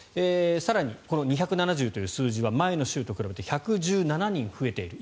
更に、２７０という数字は前の週と比べて１１７人増えている。